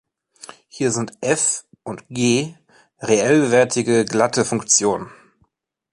Hier sind "f" und "g" reellwertige glatte Funktionen.